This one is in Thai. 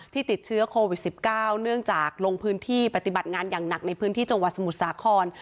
ติดเชื้อโควิด๑๙เนื่องจากลงพื้นที่ปฏิบัติงานอย่างหนักในพื้นที่จังหวัดสมุทรสาคร